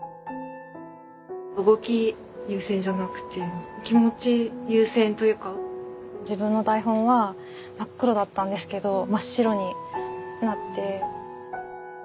動き優先じゃなくて気持ち優先というか自分の台本は真っ黒だったんですけど真っ白になって。